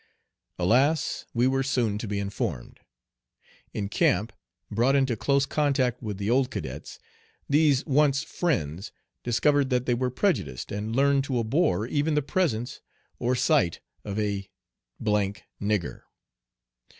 Alas! we were soon to be informed! In camp, brought into close contact with the old cadets, these once friends discovered that they were prejudiced, and learned to abhor even the presence or sight of a "d d nigger."